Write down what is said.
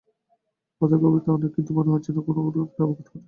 ক্ষতের গভীরতা অনেক, কিন্তু মনে হচ্ছে না কোন অর্গানকে আঘাত করেছে ঠিক আছে?